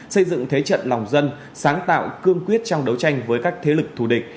xây dựng thế trận lòng dân sáng tạo cương quyết trong đấu tranh với các thế lực thù địch